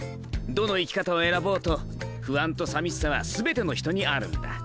どの生き方を選ぼうと不安とさみしさは全ての人にあるんだ。